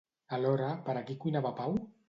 Alhora, per a qui cuinava Pau?